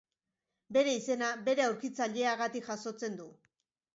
Bere izena bere aurkitzaileagatik jasotzen du.